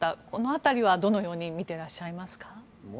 この辺りはどのように見てらっしゃいますか？